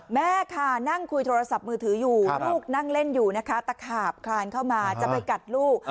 แม่ค่ะนั่งคุยโทรศัพท์มือถืออยู่ลูกนั่งเล่นอยู่นะคะตะขาบคลานเข้ามาจะไปกัดลูก